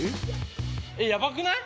やばくない？